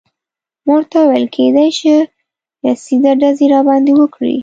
ما ورته وویل: کیدای شي سیده ډزې راباندې وکړي.